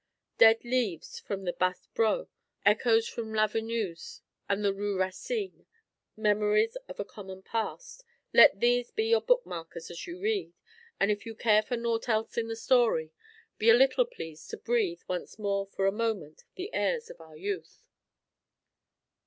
Dead leaves from the Bas Breau, echoes from Lavenue's and the Rue Racine, memories of a common past, let these be your bookmarkers as you read. And if you care for naught else in the story, be a little pleased to breathe once more for a moment the airs of our youth.